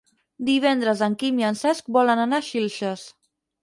Divendres en Quim i en Cesc volen anar a Xilxes.